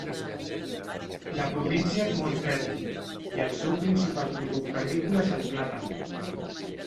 La província és molt fèrtil i el seu principal producte agrícola és el plàtan.